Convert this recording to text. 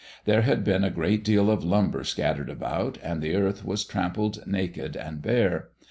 There had been a great deal of lumber scattered about, and the earth was trampled naked and bare.